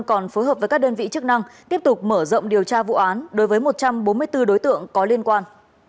còn phối hợp với các đơn vị chức năng tiếp tục mở rộng điều tra vụ án đối với một trăm bốn mươi bốn đối tượng có liên quan